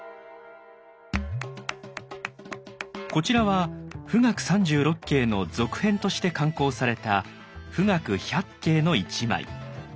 こちらは「冨嶽三十六景」の続編として刊行された「富嶽百景」の一枚。